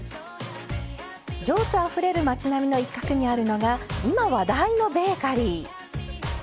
情緒あふれる町並みの一角にあるのが今話題のベーカリー。